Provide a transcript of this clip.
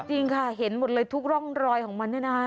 จริงค่ะเห็นหมดเลยทุกร่องรอยของมันเนี่ยนะคะ